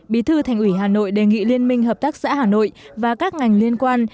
bí thư thành ủy hà nội đề nghị liên minh hợp tác xã hà nội và các ngành liên quan